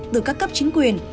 từ các cấp chính quyền